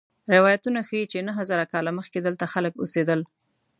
روایتونه ښيي چې نهه زره کاله مخکې دلته خلک اوسېدل.